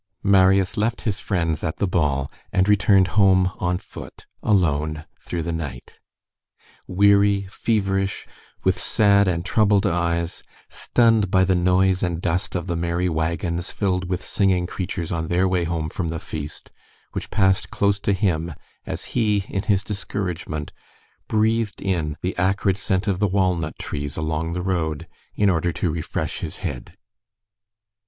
Marius left his friends at the ball and returned home on foot, alone, through the night, weary, feverish, with sad and troubled eyes, stunned by the noise and dust of the merry wagons filled with singing creatures on their way home from the feast, which passed close to him, as he, in his discouragement, breathed in the acrid scent of the walnut trees, along the road, in order to refresh his head.